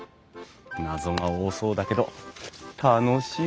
謎が多そうだけど楽しみ！